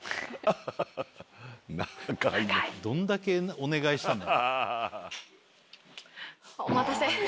どんだけお願いしたんだ。